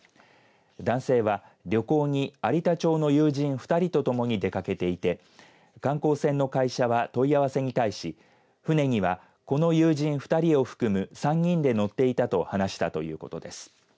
男性は旅行に有田町の友人２人と共に出かけていて観光船の会社は問い合わせに対し船にはこの友人２人を含む３人で乗っていたと話したということです。